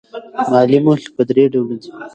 مالي موخې په درې ډوله دي.